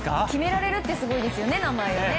決められるってすごいですよね。